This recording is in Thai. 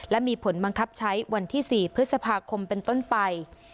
และมีผลบังคับใช้วันที่๔พฤษภาคมเป็นต้นไป